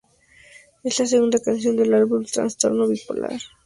Es la segunda canción del álbum Trastorno bipolar.